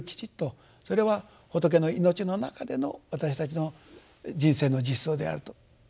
それは仏の命の中での私たちの人生の実相であると。